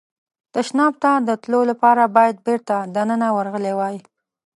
تشناب ته د تلو لپاره باید بېرته دننه ورغلی وای.